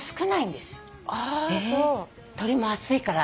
鳥も暑いから。